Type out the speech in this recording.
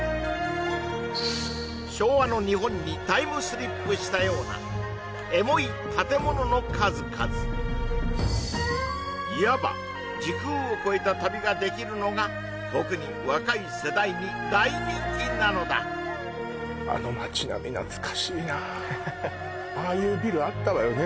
昭和の日本にタイムスリップしたようなエモい建物の数々いわば時空を超えた旅ができるのが特に若い世代に大人気なのだああいうビルあったわよね